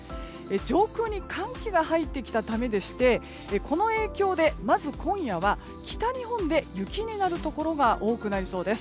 上空に寒気が入ってきたためでしてこの影響で、まず今夜は北日本で雪になるところが多くなりそうです。